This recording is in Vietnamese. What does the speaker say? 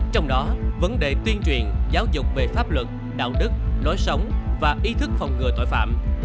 trong đó vấn đề tuyên truyền giáo dục về pháp luật đạo đức lối sống và ý thức phòng ngừa tội phạm